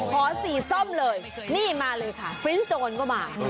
ขอสีส้มเลยนี่มาเลยค่ะฟริ้งโจรก็มา